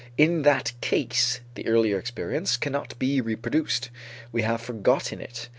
In that case the earlier experience cannot be reproduced; we have forgotten it.